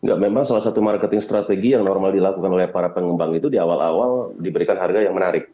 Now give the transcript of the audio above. ya memang salah satu marketing strategi yang normal dilakukan oleh para pengembang itu di awal awal diberikan harga yang menarik